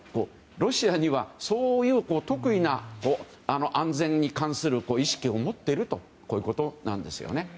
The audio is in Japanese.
ロシアにはそういう特異な安全に関する意識を持っているとこういうことなんですよね。